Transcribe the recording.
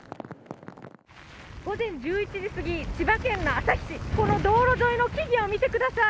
午前１１時過ぎ、千葉県の旭市、この道路沿いの木々を見てください。